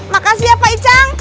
makasih ya pak icang